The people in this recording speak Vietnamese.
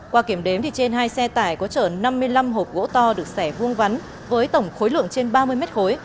qua kiểm đếm trên hai xe tải có chở năm mươi năm hộp gỗ to được xẻ vuông vắn với tổng khối lượng trên ba mươi mét khối